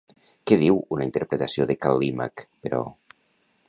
Què diu una interpretació de Cal·límac, però?